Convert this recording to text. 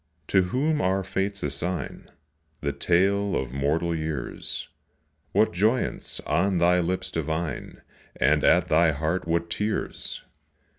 to whom our Fates assign The tale of mortal years, What joyance on thy lips divine And at thy heart what tears!